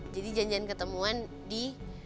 jadi janjian ketemuan di